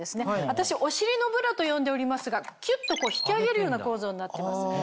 私お尻のブラと呼んでおりますがきゅっと引き上げるような構造になってます。